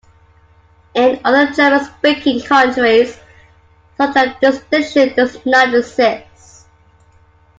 In other German-speaking countries such a distinction does not exist.